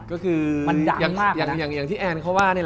ก็คืออย่างที่แอนเขาว่า